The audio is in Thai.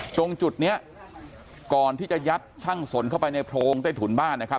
ตรงจุดนี้ก่อนที่จะยัดช่างสนเข้าไปในโพรงใต้ถุนบ้านนะครับ